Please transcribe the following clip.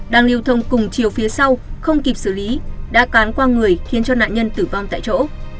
đang lưu thông cùng chiều phía sau không kịp xử lý đã cán qua người khiến cho nạn nhân tử vong tại chỗ